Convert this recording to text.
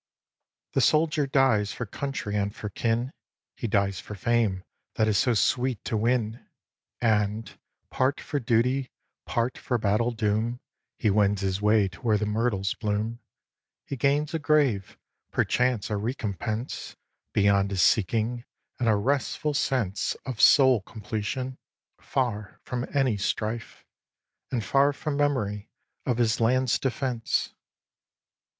vi. The soldier dies for country and for kin; He dies for fame that is so sweet to win; And, part for duty, part for battle doom, He wends his way to where the myrtles bloom; He gains a grave, perchance a recompense Beyond his seeking, and a restful sense Of soul completion, far from any strife, And far from memory of his land's defence.